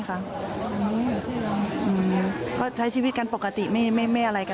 พระเจ้าที่อยู่ในเมืองของพระเจ้า